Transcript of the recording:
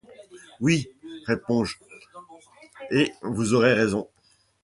Oui, répondis-je, et vous aurez raison !